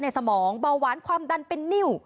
สมองเบาหวานความดันเป็นนิ้ว